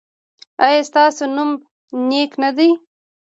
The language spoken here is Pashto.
ایا ستاسو نوم نیک نه دی؟